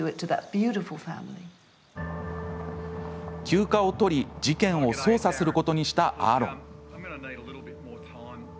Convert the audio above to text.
休暇を取り、事件を捜査することにしたアーロン。